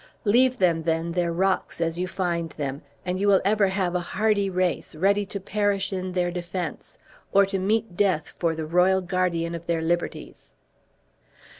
Leave them then their rocks as you find them, and you will ever have a hardy race, ready to perish in their defense, or to meet death for the royal guardian of their liberties."